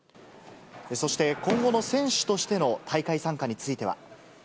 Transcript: そして、今後の選手としての大会参加については。